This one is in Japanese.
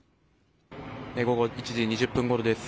午後１時２０分ごろです。